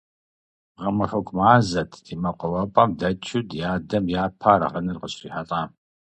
Гъэмахуэку мазэт ди мэкъуауапӀэм дэкӀыу дядэм япэ аргъынэр къыщрилъам.